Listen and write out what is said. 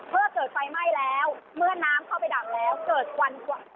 เมื่อเกิดไฟไหม้แล้วเมื่อน้ำเข้าไปดับแล้วเกิดควัน